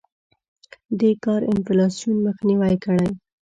دې کار انفلاسیون مخنیوی کړی.